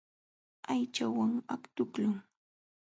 Aychawan aqtuqlun.